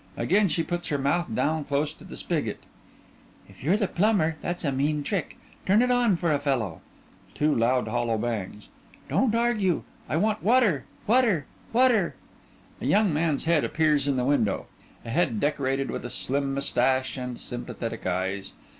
Again she puts her mouth down close to the spigot_) If you're the plumber that's a mean trick. Turn it on for a fellow. (Two loud, hollow bangs) Don't argue! I want water water! Water! (_A young man's head appears in the window a head decorated with a slim mustache and sympathetic eyes.